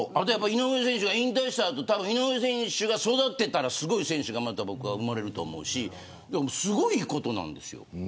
井上選手が引退した後井上選手が育てたらすごい選手がまた生まれると思うしすごいことなんですよ。